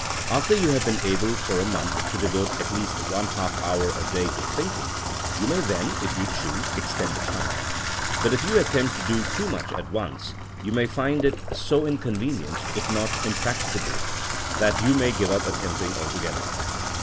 After you have been able for a month to devote at least one half hour a day to thinking, you may then, if you choose, extend the time. But if you at tempt to do too much at once, you may find it so inconvenient, if not impracticable, that you may give up attempting altogether.